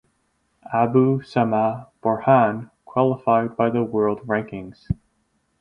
Abu Samah Borhan qualified by the world rankings.